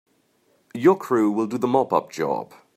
Your crew will do the mop up job.